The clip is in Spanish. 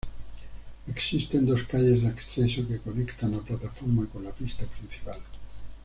Existen dos calles de acceso que conectan la plataforma con la pista principal.